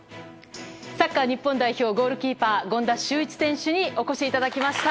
サッカー日本代表ゴールキーパー権田修一選手にお越しいただきました。